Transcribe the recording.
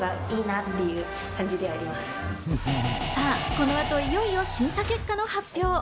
この後いよいよ審査結果の発表。